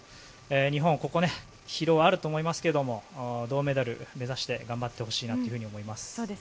日本、ここを疲労があると思いますが銅メダル目指して頑張ってほしいなと思います。